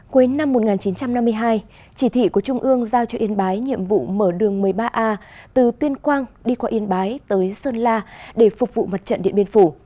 cuối năm một nghìn chín trăm năm mươi hai chỉ thị của trung ương giao cho yên bái nhiệm vụ mở đường một mươi ba a từ tuyên quang đi qua yên bái tới sơn la để phục vụ mặt trận điện biên phủ